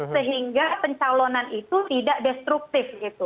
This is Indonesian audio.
sehingga pencalonan itu tidak destruktif gitu